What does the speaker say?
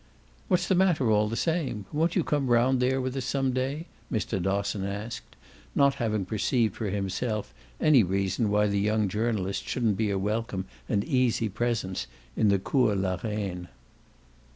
"What's the matter all the same? Won't you come round there with us some day?" Mr. Dosson asked; not having perceived for himself any reason why the young journalist shouldn't be a welcome and easy presence in the Cours la Reine.